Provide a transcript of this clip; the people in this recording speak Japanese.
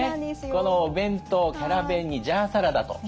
このお弁当キャラ弁にジャーサラダと。